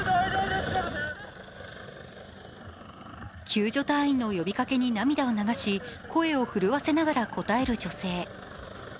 救助隊員の呼びかけに涙を流し、声を震わせながら答える女性。